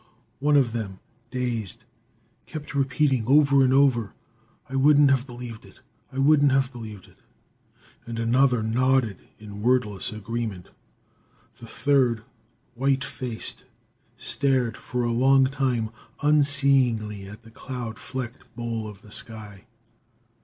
One of them, dazed, kept repeating over and over, "I wouldn't have believed it! I wouldn't have believed it!" and another nodded in wordless agreement. The third, white faced, stared for a long time unseeingly at the cloud flecked bowl of the sky....